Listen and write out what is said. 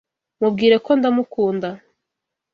Mubwire ko ndamukunda.